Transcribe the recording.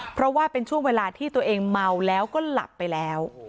เพราะว่าเป็นช่วงเวลาที่ตัวเองเมาแล้วก็หลับไปแล้ว